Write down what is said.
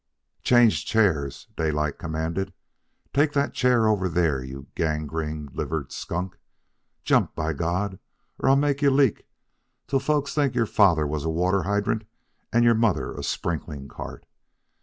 "Change chairs," Daylight commanded. "Take that chair over there, you gangrene livered skunk. Jump! By God! or I'll make you leak till folks'll think your father was a water hydrant and your mother a sprinkling cart.